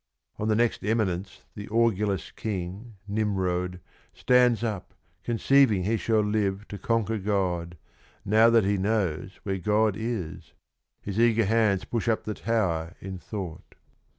" On the next eminence the orgulous King Nimrond stands up conceiving he shall live To conquer God, now that he knows where God is : His eager hands push up the tower in thought